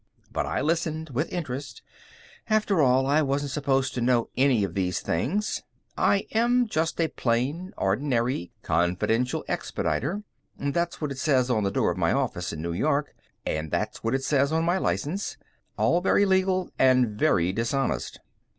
But I listened with interest; after all, I wasn't supposed to know any of these things. I am just a plain, ordinary, "confidential expediter". That's what it says on the door of my office in New York, and that's what it says on my license. All very legal and very dishonest.